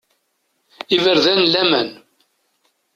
Iberdan n laman!